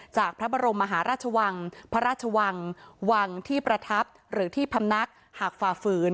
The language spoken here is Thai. จากพระบรมมหาราชวังพระราชวังวังที่ประทับหรือที่พำนักหากฝ่าฝืน